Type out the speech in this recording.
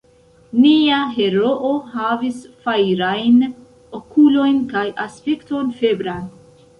Nia heroo havis fajrajn okulojn kaj aspekton febran.